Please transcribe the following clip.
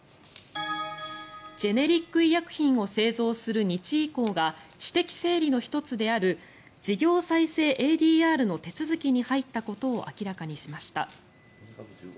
ジェネリック医薬品を製造する日医工が私的整理の１つである事業再生ＡＤＲの手続きに入ったことを明らかにしました。